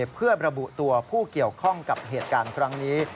เพื่อระบุตัวผู้เกี่ยวข้องกับเหตุการณ์ครั้งนี้